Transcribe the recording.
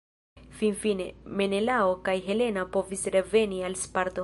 Finfine, Menelao kaj Helena povis reveni al Sparto.